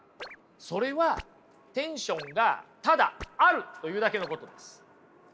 それはテンションがただあるというだけのことです。